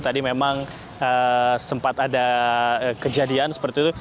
tadi memang sempat ada kejadian seperti itu